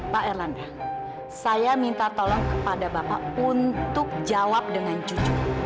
pak erlanda saya minta tolong kepada bapak untuk jawab dengan jujur